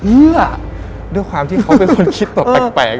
ด้วยความที่เขาเป็นคนคิดแบบแปลก